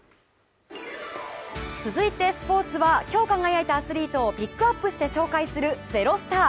続いて、スポーツは今日輝いたアスリートをピックアップして紹介する「＃ｚｅｒｏｓｔａｒ」。